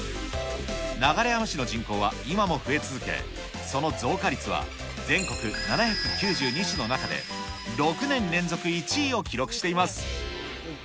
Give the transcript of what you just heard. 流山市の人口は今も増え続け、その増加率は全国７９２市の中で６年連続１位を記録しています。